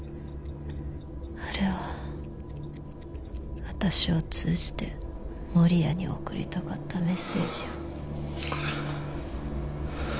あれは私を通じて守谷に送りたかったメッセージよ。